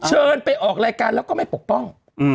เชิญไปออกรายการแล้วก็ไม่ปกป้อง